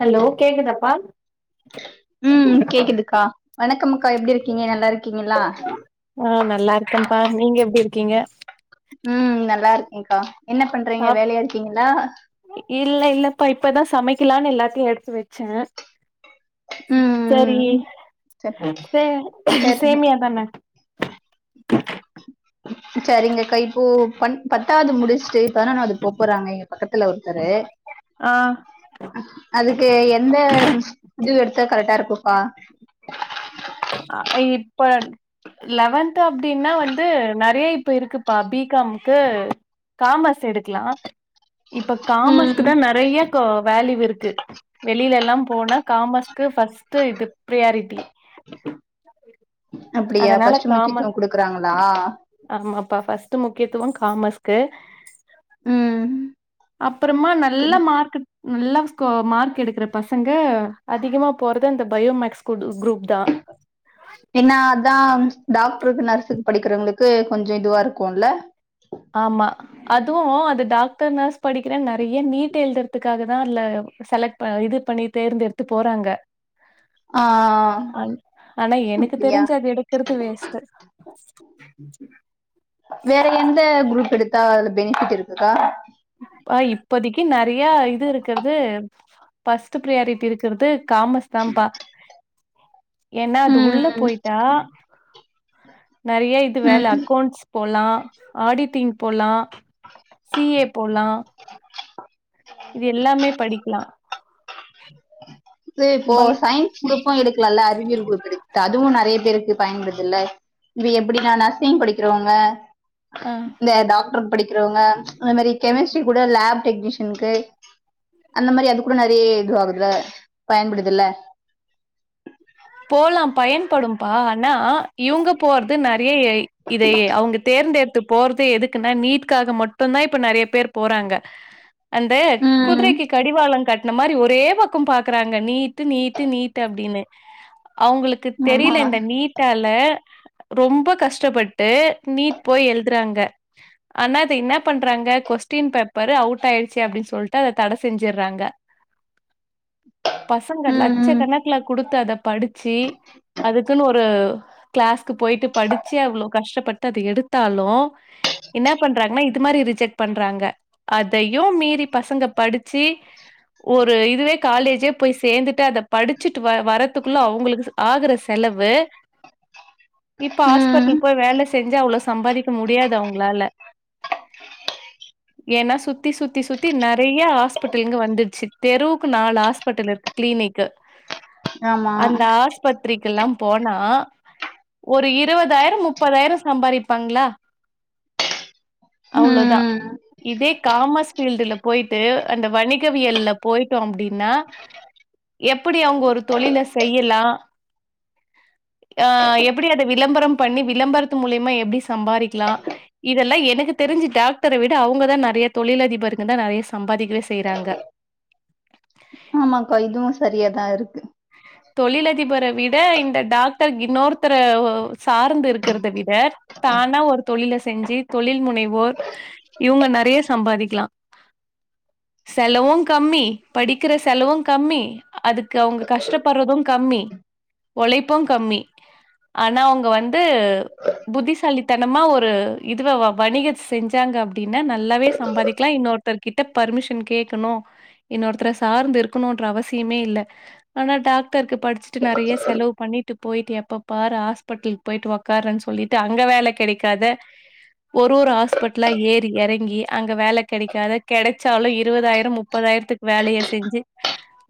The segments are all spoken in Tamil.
ஹலோ கேக்குதப்பா உம் கேக்குதுக்கா வணக்கம் க்கா எப்டி இருக்கீங்க நல்லா இருக்கீங்களா ஆ நல்லா இருக்கேப்பா நீங்க எப்டி இருக்கீங்க உம் நல்லா இருக்கேக்கா என்ன பண்றீங்க சாப் வேலையா இருக்கீங்களா இல்ல இல்லப்பா இப்பதா சமைக்கலானு எல்லாத்தையு எடுத்து வெச்சே ம் செரி ம் சரி சே சரிங்க சேமியா தானே சரிங்கக்கா இப்போ பண் பத்தாது முடிச்ட்டு பதினொன்னாவது போ போறாங்க எங்க பக்கத்துல ஒருத்தரு ஆ அதுக்கு எந்த இது எடுத்த கரெக்டா இருக்குக்கா அ இப்ப லெவன்த் அப்டின்னா வந்து நெறைய இப்ப இருக்கு ப்பா பி காம்கு காமஸ் எடுக்லா இப்ப காமஸ்க்கு ம் தா நெறைய கா வேல்யூ இருக்கு வெளியிலல்லா போனா காமஸ்க்கு ஃபஸ்ட் இது பிரியாரிட்டி அப்டியா அதனால ஃபஸ்ட் முக்கியத்துவ காமர்ஸ் குடுக்குறாங்களா ஆமாப்பா ஃபஸ்ட் முக்கியத்துவம் காமர்ஸ்க்கு ம் அப்பறமா நல்ல சரி. மார்க்கு நல்லா ஸ்கோ மார்க் எடுக்கற பசங்க அதிகமா போறதது அந்த பயோமேக்ஸ் குரூப் தா என்னா அதா டாக்டருக்கு நர்ஸுக்கு படிக்கிறவங்களுக்கு கொஞ்சொ இதுவா இருக்கும்ல ஆம்மா அதுவு அது டாக்டர் நர்ஸ் படிக்கிறே நெறையா நீட் எழுதுறதுக்காக தா அதுல செலக்ட் இப்ப இது பண்ணி தேர்ந்தெடுத்து போறாங்க ஆ ஆ ஆ அண்ட் ஆனா எனக்கு தெரிஞ்சு அது எடுக்கறது வேஸ்ட்டு வேற எந்த குரூப் எடுத்தா அதுல பெனிபிட் இருக்குக்கா அப்பா இப்போதிக்கு நெறையா இது இருக்கறது ஃபஸ்ட் ப்ரியாரிட்டி இருக்கிறது காமஸ் தான்ப்பா ஏன்னா அது உள்ள ம் போய்ட்டா நெறையா இது வேல ம் அக்கௌண்ட்ஸ் போலா ஆடிட்டிங் போலா சி ஏ போலா இது எல்லாமே படிக்லா இது இப்போ பை சயின்ஸ் குரூப்பு எடுக்கலால்ல அறிவியல் குரூப்பு எடு துட்டு அதுவு நெறைய பேருக்கு பயன்படுதுல்ல இது எப்டின்னா நர்ஸிங் படிக்கிறவங்க ஆ இந்த டாக்டர் படிக்கிறவங்க அந்த மாரி கெமிஸ்ட்ரி கூட லேப் டெக்னீஷியனுக்கு அந்த மாரி அது கூட நெறைய இது ஆகுதுல பயன்படுதுல்ல போலா பயன்படும்பா ஆனா இவங்க போறது நெறையா ஏய் இதையே அவங்க தேர்ந்தெடுத்து போறது எதுக்குன்னா நீட்க்காக மட்டுந்தா இப்ப நெறைய பேர் போறாங்க அந்து ம் குதிரைக்கு கடிவாளோங் கட்ன மாரி ஒரே பக்கம் பாக்கறாங்க நீட்டு நீட்டு நீட்டு அப்டினு அவுங்குளுக்குத் ஆமா தெரில இந்த நீட்.. ட்டால ரொம்ப கஷ்டபட்டு நீட் போய் எழுதுறாங்க.. ஆனா அத இன்னாப் பண்றாங்க கொஸ்டின் பேப்பரு அவுட் ஆயிடுச்சு அப்டின் சொல்ட்டு அத தட செஞ்சிர்றாங்க. [inaudible] பசங்க ம் ம் லட்சக்கணக்ல குடுத்து அத படிச்சி அதுக்குனு ஒரு.... கிளாஸ்க்கு போயிட்டு படிச்சு அவ்ளோ கஷ்டபட்டு அது எடுத்தாலு என்னாப் பண்றாங்னா இது மாரி ரிஜெக்ட் பண்றாங்க அதையும் மீறி பசங்க படிச்சி ஒரு இதுவே காலேஜே போய் சேந்துட்டு அதப் படிச்சிட்டு வ வரத் துக்ள அவுங்குளுக்ச் ஆகற செலவு இப்ப ம் ஹாஸ்பட்லுப் போய் வேல செஞ்சு அவ்ளோ சம்பாரிக்க முடியாது அவுங்ளால [inaudible] ஏன்னா சுத்தி சுத்தி சுத்தி நெறைய ஹாஸ்பிட்டுல்ங்க வந்துர்ச்சு தெருவுக்கு நாலு ஹஸ்பெட்டல் இருக்கு. கீளினிக்கு.. ஆமா அந்த ஆஸ்பத்திரிக்கல்லாம் போனா ஒரு இருவதாயிரம் முப்பதாயிரோ சம்பாரிப்பாங்ளா அவ்ளோதா ம் இதே காமர்ஸ் ஃபீல்டுல போயிட்டு அந்த வணிகவியல்ல போயிட்டோ அப்டினா எப்பிடி அவுங்க ஒரு தொழில செய்யலா. அ எப்டி அத விளம்பரம் பண்ணி விளம்பரத்து மூலியமா எப்டி சம்பாரிக்லா இதெல்லா எனுக்கு தெரிஞ்சி டாக்டர விட அவுங்கதா நெறைய தொழிலதிபருங்கதா நெறைய சம்பாதிக்கவே செய்றாங்க. ஆமாக்கா இதுவு சரியாதா இருக்கு... தொழிலதிபர விட இந்த டாக்டர் இன்னொருத்தர ஒ சார்ந்து இருக்கிறத விட தானா ஒரு தொழில செஞ்சி தொழில் முனைவோர், இவுங்க நெறைய சம்பாரிக்லா செலவுங் கம்மி படிக்கிற செலவுங் கம்மி அதுக்கு அவுங்க கஷ்.. ஷ்டப்பர்றதுங் கம்மி ஒழைப்புங் கம்மி ஆனா அவுங்க வந்து... புத்திசாலித்தனமா ஒரு இதுவாவா வணிகச் செஞ்சாங்க அப்டினா நல்லாவே சம்பாதிக்லா இன்னொ த்தர்கிட்டப் பர்மிஷன் கேக்கணு இன்னொருத்ர சார்ந்து இருக்கணுன்ற அவசியமே இல்ல ஆனா டாக்டர்க்கு படிச்ட்டு நெறைய செலவு பண்ணிட்டு போயிட்டு எப்பப் பாரு ஹாஸ்பட்டல், போயிட்டு ஒக்காறன் சொல்லிட்டு அங்க வேல கெடைக்காத ஒரு ஒரு ஹாஸ்பட்லா ஏறி எறங்கி அங்கே வேல கெடைக்காத கெடச்சாலு இருவதாயிரம் முப்பதாயிரத்துக் வேலைய செஞ்சி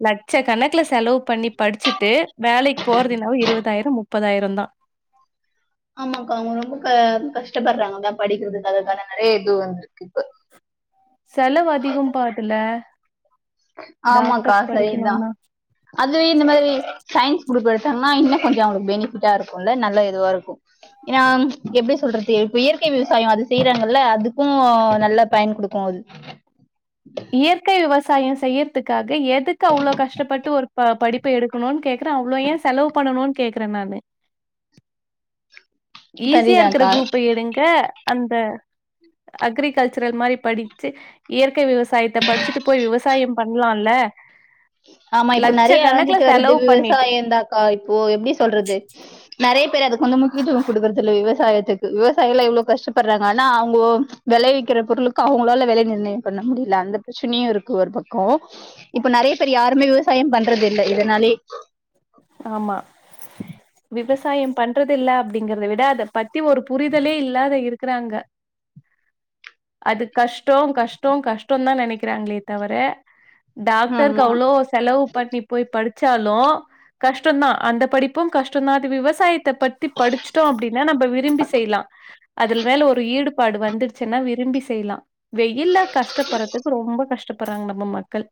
லட்சக் கணக்லச் செலவுப் பண்ணிப் படிச்சிட்டு வேலைக் போறது என்னவோ இருவதாயிரம் முப்பதாயிரந்தா ஆமாக்கா அவுங்க ரொம்ப க கஷ்டப்பர்றாங்கதா படிக்கிறதுக்காகக்கான நெறைய [unintelligible] செலவு அதிகம்ப்பா அதுல ஆமாக்கா டாக்டர் சரிதா படிக்கணுன்னா அதுவே இந்த மாரி சயின்ஸ் குரூப் எடுத்தாங்னா இன்னு கொஞ்சோ அவுங்ளுக்கு பெனிஃபிட்டா இருக்குல்ல நல்ல இதுவா இருக்கு எனாம் எப்டி சொல்றது இப்ப இயற் கை விவசாயோ அது செய்றாங்கல்ல அதுக்கு நல்லப்பயன் குடுக்கு அது... இயற்கை விவசாயோ செய்யர்த்துக்காக எதுக்கு அவ்ளோ கஷ்டப்பட்டு ஒரு ப படிப்ப எடுக் க்கணுன் கேக்றே அவ்ளோ ஏ செலவுப் பண்ணணுன் கேக்றே நானு ஈஸியா இருக்ற சரிதாக்கா குரூப்ப எடுங்க அந்த அக்ரிகல்ச்சரல் மாரி படிச்சி இயற்கை விவசாயத்தப் படிச்சுட்டு போய் விவசாயம் பண்லா இல்ல ஆமா இப்ப நெறைய ஏங்கிட்டு செலவு வர்தில் பண்ணிட்டு வெசவாயந் தா ஆ இப்போ எப்டி சொல்றது நெறைய பேர் அதுக்கு வந்து முக்கியத்துவோ குடுக்குறது இல்ல விவசாயத்துக் விவசாயில்லா எவ்ளோ கஷ்டப்படுறாங்க ஆனா அவ்வோங்கோ வெளைவிக்கிற பொருள்ளுக்கு அவுங்களால வெலை நிர்ணய பண்ண முடியில அந்தப் பிச்சினையு இருக்கு ஒரு பக்கோ இப்ப நெறைய பேர் யாருமே விவசாய பண்றது இல்லை இதனாலே ஆமா விவசாயம் பண்றது இல்ல அப்டிங்கறத விடா அதப் பத்தி ஒரு புரிதலே இல்லாத இருக்குறாங்க அது கஷ்டோ கஷ்டோ கஷ்டோ தா நெனக்கிறாங்களே தவர டாக்டருக்கு ஆமா அவ்ளோ செலவு பண்ணி போய் படிச்சாலோ கஷ்டோ தா அந்த படிப்பு கஷ்டோ தா அது விவசாயத் இத பத்தி படிச்சிட்டோ அப்டின்னா நம்ம விரும்பி செய்லா அதில் வேல ஒர் ஈடுபாடு வந்துடுச்சுன்னா விரும்பி செய்லா வெயில்ல கஷ்டப்படுறதுக்கு ரொம்ப கஷ்டப்படுறாங்க நம்ம மக்கள்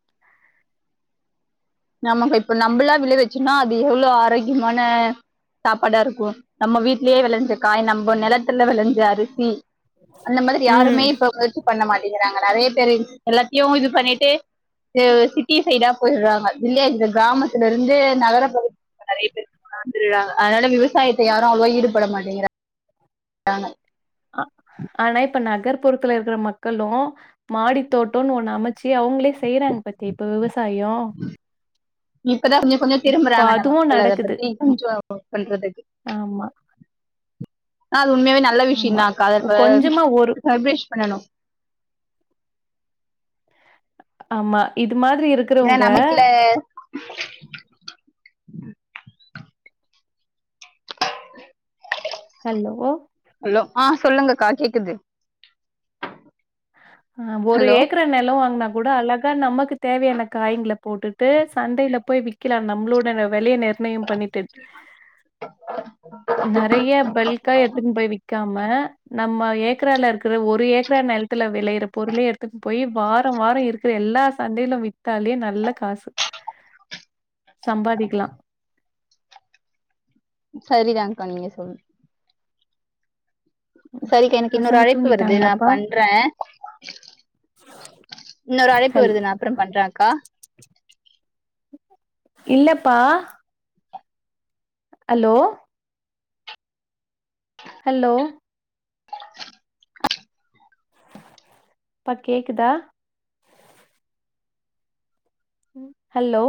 நம்ம இப்ப நம்மளா விள வச்சேன்னா அது எவ்ளோ ஆரோக்கியமான சாப்பாடா இருக்கு நம்ம வீட்லயே வெளஞ்ச காய் நம்ம நிலத் துல வெளஞ்ச அரிசி அந்த மதிரி ம் யாருமே இப்ப முயற்சி பண்ண மாட்டேங்கிறாங் நெறய பேரு எல்லாத்தயு இது பண்ணிட்டு து சிட்டி சைடா போயிர்றாங்க வில்லேஜ்து கிராமத்துல இருந்து நகர பகுத் நெறை பேரு வந்துருறாங்க அதனால விவசாயத் தே யாரு அவ்வோளா ஈடுபட மாட்டாங்கிற றாங்க ஆ ஆனா இப்ப நகர்ப்புறத்துல இருக்கற மக்களு மாடி தோட்டோனு ஒண்ணு அமச்சு அவ்ங்களே செய்யறாங்க பத்தி இப்ப விவசாயோ இப்பதா கொஞ்சோ கொஞ்சோ இப்ப திரும்புறாங்க நம்ம அதுவு மக்கள் அத நடக்குது பத்தி ம். கொஞ்சோ பண்றதுக்கு ஆமா ஆ அது உண்மையாவே நல்ல ஆமா விஷயங்தாக்கா கதர்ம்ப கொஞ்சமா ஒரு சர்ப்பேஷ் பண்ணனு ஆமா இது மாதிரிப் ஏனா நமகில்ல ஹல்லோ ஹலோ ஆ சொல்லுங்க அக்கா கேக்குது ஆ ஒரு ஹலோ ஏக்கர நெலோ வாங்குனா கூட அழகா நமக்கு தேவயான காய்ங்கள போட்டுட்டு சந்டையில போய் விக்கலா நம்மளோட வெலைய நிர் ணய பண்ணட்டேச் நெறைய பல்க்கா எட்த்துன்னு போய் விக்காம் ம நம்ம ஏக்கரால இருக்கற ஒரு ஏக்கரா நெல் த்துல வெளையிற பொருளே எடுத்துட்டு போய் வாரோம் வாரோ இருக்குற எல்லா சந்தைலே வித்தாலே நல்ல காசு சம்பாதிக்கல்லா சரிதாங்க்கா நீங்க சொல்ற சரிக்கா எனக்கு இன்னொரு பசங்க அழைப்பு வருது நா தூங்கிட்டாங்களாப்பா? பண்றே இன்னொரு அழைப்பு ஹல் வருது நா அப்றோ பண்றே அக்கா இல்லப்பா ஹலோ ஹலோ ப்பா கேக்குதா ஹல்லோ